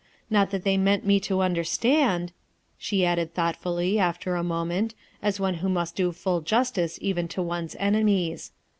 Not that they meant mo to understand," she added thoughtfully, after a moment, as one who must do full justico even to one's enemies.